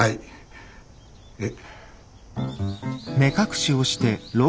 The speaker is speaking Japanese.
えっ？